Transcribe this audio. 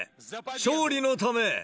勝利のため！